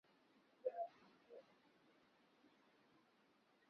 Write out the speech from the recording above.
有子黄以周。